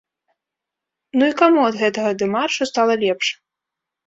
Ну і каму ад гэтага дэмаршу стала лепш?